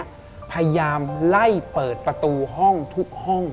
พยายามไล่เปิดประตูห้องทุกห้อง